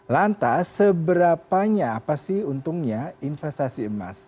lantas seberapanya apa sih untungnya investasi emas